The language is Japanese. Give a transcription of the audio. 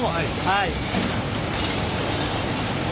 はい。